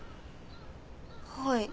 はい。